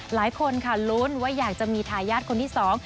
หลายคนค่ะลุ้นว่าอยากจะมีทายาทคนที่สอง